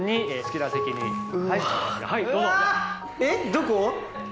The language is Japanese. どこ？